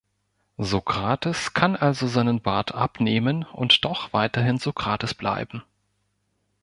Sokrates kann also seinen Bart abnehmen und doch weiterhin Sokrates bleiben.